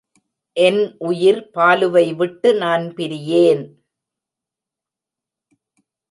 என் உயிர் பாலுவை விட்டு நான் பிரியேன்.